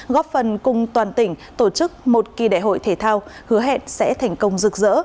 góp phần cùng toàn tỉnh tổ chức một kỳ đại hội thể thao hứa hẹn sẽ thành công rực rỡ